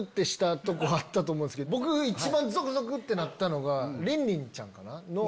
僕一番ゾクゾクってなったのがリンリンちゃんの。